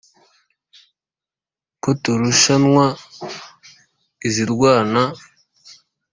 ko turushanwa izirwana